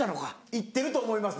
行ってると思います。